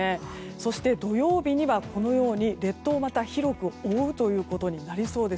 そして土曜日には、列島をまた広く覆うことになりそうです。